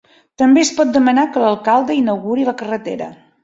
També, es pot demanar que l'alcalde inauguri la carrera.